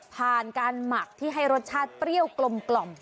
ผ่านการหมักที่ให้รสชาติเปรี้ยวกลม